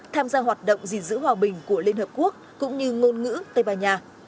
tham gia hoạt động gìn giữ hòa bình của liên hợp quốc cũng như ngôn ngữ tây ban nha